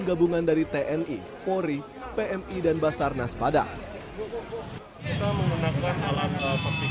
gabungan dari tni ori pmi dan basarnas padang kita menggunakan alat vertikal ya untuk mengoperasikan